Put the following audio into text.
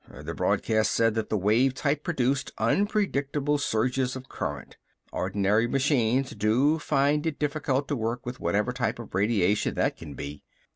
The broadcast said that the wave type produced unpredictable surges of current. Ordinary machines do find it difficult to work with whatever type of radiation that can be."